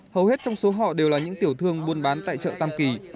hầu hết trong số họ đều là những tiểu thương buôn bán tại chợ tam kỳ